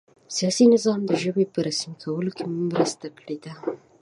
سیاسي نظام د ژبې په رسمي کولو کې مرسته کړې ده.